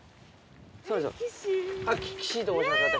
岸と申します私。